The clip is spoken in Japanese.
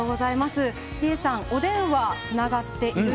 リエさん、お電話つながっています。